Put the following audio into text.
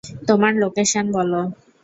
তোমার লোকেশন বলো!